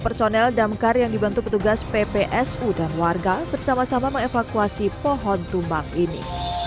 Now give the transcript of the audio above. personel damkar yang dibantu petugas ppsu dan warga bersama sama mengevakuasi pohon tumbang ini